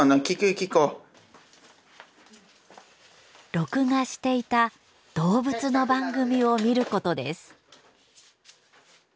録画していた動物の番組を見ることです。